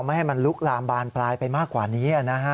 ให้มันลุกลามบานปลายไปมากกว่านี้